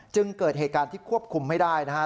เกิดเหตุการณ์ที่ควบคุมไม่ได้นะครับ